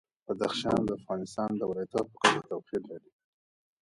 بدخشان د افغانستان د ولایاتو په کچه توپیر لري.